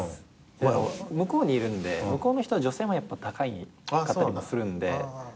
向こうにいるんで向こうの人は女性も高かったりもするんで。